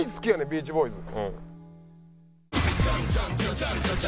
『ビーチボーイズ』。